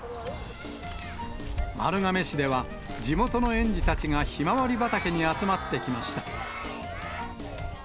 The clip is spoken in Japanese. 丸亀市では、地元の園児たちがひまわり畑に集まってきました。